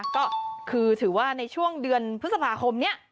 ก็คือถือว่าในช่วงเดือนพฤษภาคมนี้